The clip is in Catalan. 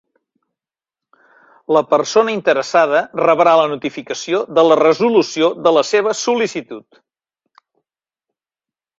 La persona interessada rebrà la notificació de la resolució de la seva sol·licitud.